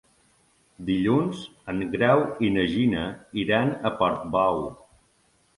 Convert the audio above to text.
Dilluns en Grau i na Gina iran a Portbou.